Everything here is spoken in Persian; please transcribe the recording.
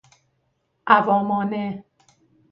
عوامانه